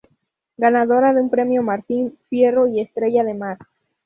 Ganadora de un Premio Martín Fierro y Estrella de Mar.